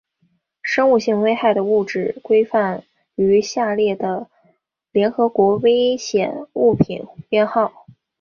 生物性危害的物质规范于下列的联合国危险货物编号